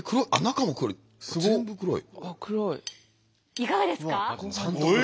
いかがですか？